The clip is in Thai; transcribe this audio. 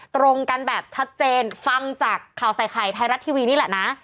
ตรงกันแบบชัดเจนฟังจากข่าวใส่ไข่ไทยรัฐทีวีนี่แหละนะ